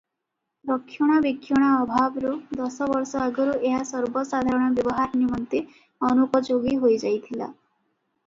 ରକ୍ଷଣାବେକ୍ଷଣା ଅଭାବରୁ ଦଶ ବର୍ଷ ଆଗରୁ ଏହା ସର୍ବସାଧାରଣ ବ୍ୟବହାର ନିମନ୍ତେ ଅନୁପଯୋଗୀ ହୋଇଯାଇଥିଲା ।